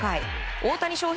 大谷翔平